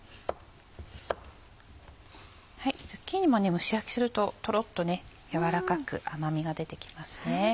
ズッキーニも蒸し焼きするとトロっと軟らかく甘みが出てきますね。